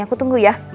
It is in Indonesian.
aku tunggu ya